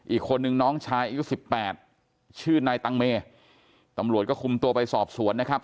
อีกคนนึงน้องชายอายุสิบแปดชื่อนายตังเมตำรวจก็คุมตัวไปสอบสวนนะครับ